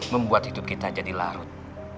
membuat hidup kita jadi larut